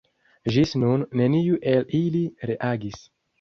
Ĝis nun neniu el ili reagis.